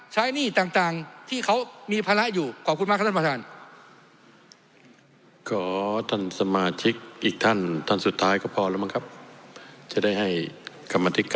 ใช้หนี้ต่างต่างที่เขามีภาระอยู่ขอบคุณมากท่านต้นผ่าสาร